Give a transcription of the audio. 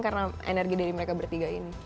karena energi dari mereka bertiga ini